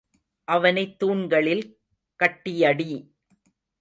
அவனைத் தூண்களில் கட்டியடி!